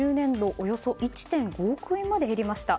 およそ１．５億円まで減りました。